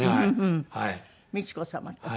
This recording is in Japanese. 美智子さまと。